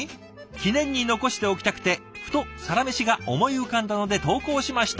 「記念に残しておきたくてふと『サラメシ』が思い浮かんだので投稿しました」。